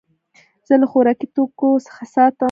زه له خوراکي توکو څخه ساتم.